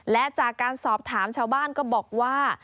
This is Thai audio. และจากการสอบถามชาวบ้านก็บอกว่า